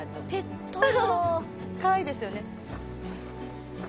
「かわいいですよね」